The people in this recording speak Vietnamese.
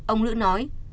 ông lữ nói